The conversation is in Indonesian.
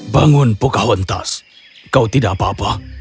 bangun pocahontas kau tidak apa apa